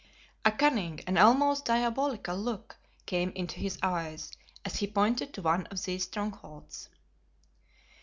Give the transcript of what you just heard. A cunning and almost diabolical look came into his eyes as he pointed to one of these strongholds.